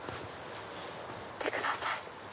見てください。